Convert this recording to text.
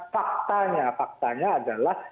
faktanya faktanya adalah